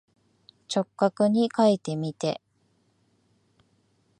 直角にかいてみて。